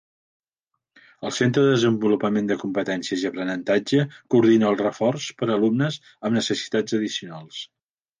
El Centre de Desenvolupament de Competències i Aprenentatge coordina el reforç per a alumnes amb necessitats addicionals.